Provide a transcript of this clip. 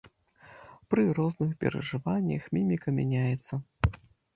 Пры розных перажываннях міміка мяняецца.